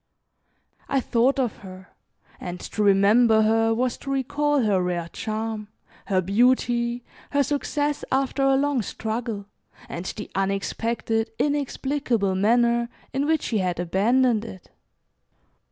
I thought of her, and to remember her was to recall her rare charm, her beauty, her success, after a long struggle, and the unexpected, inexplicable manner in which she had abandoned it.